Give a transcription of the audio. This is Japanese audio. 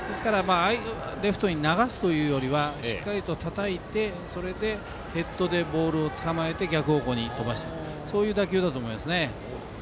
レフトに流すというよりはしっかりとたたいてそれでヘッドでボールを捕まえて逆方向に飛ばすという打球だと思います。